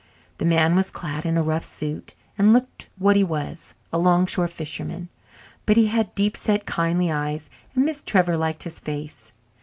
The man was clad in a rough suit and looked what he was, a 'longshore fisherman. But he had deep set, kindly eyes, and Miss Trevor liked his face.